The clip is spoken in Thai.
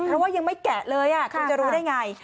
เพราะว่ายังไม่แกะเลยคุณจะรู้ได้ไง